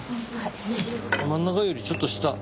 真ん中よりちょっと下。